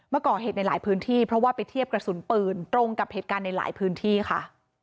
มาก่อเหตุในหลายพื้นที่เพราะว่าไปเทียบกระสุนปืนตรงกับเหตุการณ์ในหลายพื้นที่ค่ะ